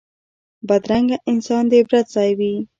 بدرنګه انسان د عبرت ځای وي